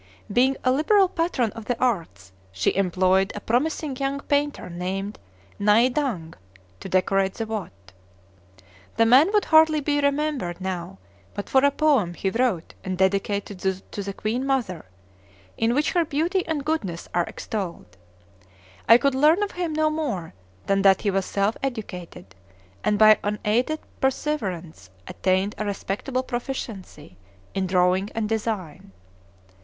Being a liberal patron of the arts, she employed a promising young painter named Nai Dang to decorate the Watt. The man would hardly be remembered now but for a poem he wrote and dedicated to the queen mother, in which her beauty and goodness are extolled. I could learn of him no more than that he was self educated, and by unaided perseverance attained a respectable proficiency in drawing and design.